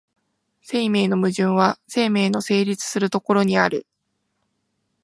生命の矛盾は生命の成立する所にある。